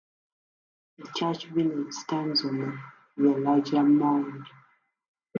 The village church stands on the larger mound.